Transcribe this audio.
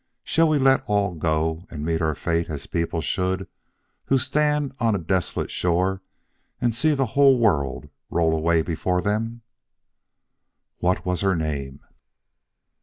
Shall we let all go and meet our fate as people should who stand on a desolate shore and see the whole world roll away from before them?" _"What was her name?"